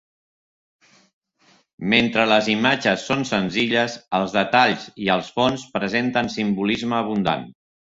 Mentre les imatges són senzilles, els detalls i els fons presenten simbolisme abundant.